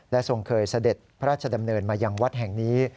ทรงเคยเสด็จพระราชดำเนินมายังวัดแห่งนี้